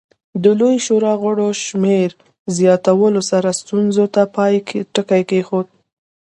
د لویې شورا غړو شمېر زیاتولو سره ستونزې ته پای ټکی کېښود.